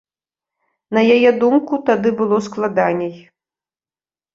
На яе думку, тады было складаней.